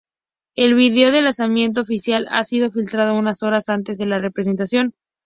El video del lanzamiento oficial ha sido filtrado unas horas antes de la presentación.